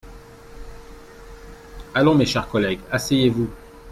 Allons, mes chers collègues, asseyez-vous.